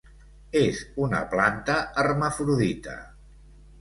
És una planta hermafrodita.